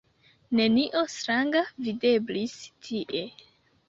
Nenio stranga videblis tie.